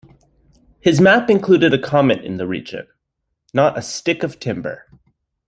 His map included a comment in the region, "not a stick of timber".